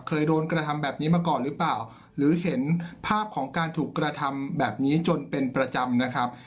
เคยโดนกระทำแบบนี้มาก่อนหรือเปล่าหรือเห็นภาพของการถูกกระทำแบบนี้จนเป็นประจำนะครับ